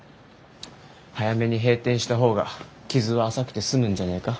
早めに閉店した方が傷は浅くて済むんじゃねえか？